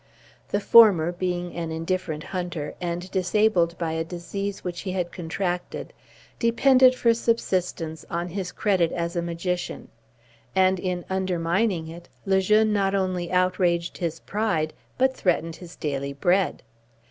The former, being an indifferent hunter, and disabled by a disease which he had contracted, depended for subsistence on his credit as a magician; and, in undermining it, Le Jeune not only outraged his pride, but threatened his daily bread.